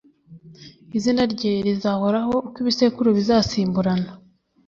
izina rye rizahoraho uko ibisekuru bizasimburana